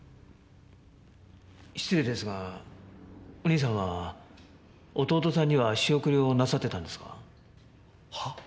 失礼ですがお兄さんは弟さんには仕送りをなさってたんですか？